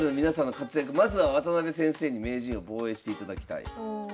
まずは渡辺先生に名人を防衛していただきたい。